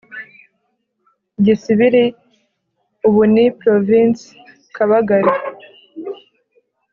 gisibiri (ubu ni provinsi kabagari).